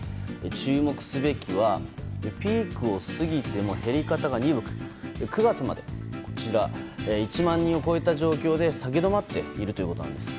注目すべきはピークを過ぎても減り方が鈍く９月まで１万人を超えた状況で下げ止まっているということなんです。